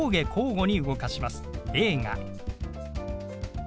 「映画」。